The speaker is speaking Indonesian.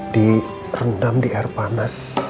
direndam di air panas